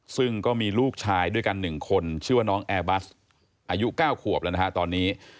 ซึ่งก็มีลูกชายด้วยกัน๑คนชื่อว่าน้องแอร์บัสอายุ๙ขวบแล้วนะฮะตอนนี้